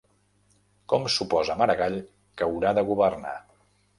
Com suposa Maragall que haurà de governar?